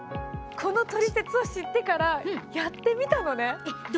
このトリセツを知ってからやってみたのね。